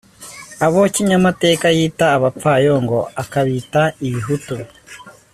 abo kinyamateka yita abapfayongo, akabita “ibihutu…